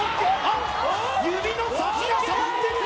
指の先が触っている！